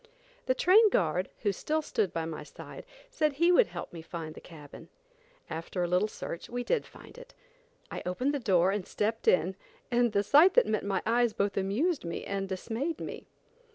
The train guard who still stood by my side, said he would help me find the cabin. After a little search, we did find it. I opened the door and stepped in, and the sight that met my eyes both amused me and dismayed me.